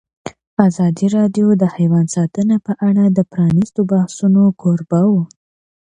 ازادي راډیو د حیوان ساتنه په اړه د پرانیستو بحثونو کوربه وه.